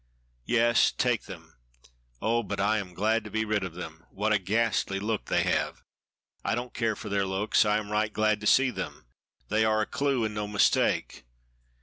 "Yes, take them. Oh, but I am glad to be rid of them. What a ghastly look they have." "I don't care for their looks. I am right glad to see them they are a clew and no mistake.